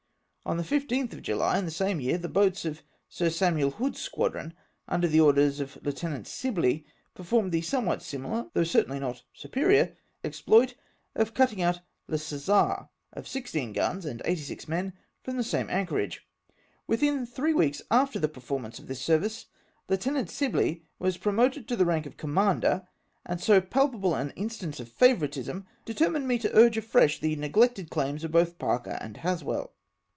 On the 15th of July, in the same year, the boats of Sir Samuel Hood's squadron, under the orders of Lieu tenant Sibley, performed the somewhat similar, though certainly not superior exploit, of cutting out Le Ccesar, of 16 guns and 86 men, from the same anchorage. Within three weeks after the performance of this ser vice. Lieutenant Sibley was 2^^'<^^i^oted to the rank of commander, and so palpable an instance of favouritism determined me to urge afresh the neglected claims of both Parker and Haswell.